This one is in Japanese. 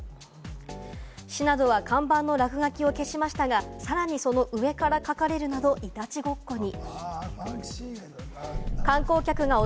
市などは看板の落書きを消しましたが、さらにその上から描かれるなどイタチごっこに。